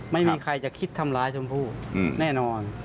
ไม่มีใครจะคิดทำร้ายชมพู่แน่นอน